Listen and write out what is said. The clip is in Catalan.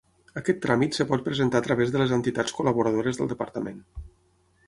Aquest tràmit es pot presentar a través de les entitats col·laboradores del departament.